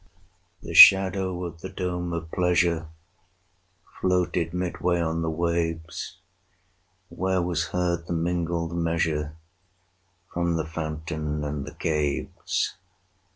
30 The shadow of the dome of pleasure Floated midway on the waves; Where was heard the mingled measure From the fountain and the caves.